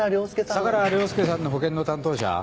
相良凌介さんの保険の担当者？